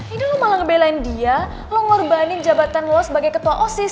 ini lo malah ngebelain dia lo ngorbanin jabatan lo sebagai ketua osis